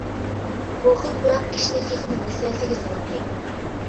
بۇ خىل پۇراق كىشىنى تېخىمۇ ۋەسۋەسىگە سالاتتى.